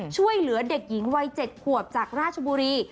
ช่วยเหลือเด็กหญิงวัย๗ขวบจากราชบุรี